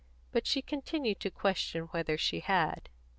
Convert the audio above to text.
But she continued to question whether she had.